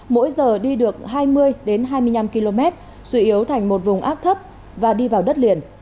mỗi giờ đi được hai mươi hai mươi năm km suy yếu thành một vùng áp thấp và đi vào đất liền